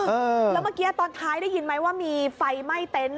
แล้วเมื่อกี้ตอนท้ายได้ยินไหมว่ามีไฟไหม้เต็นต์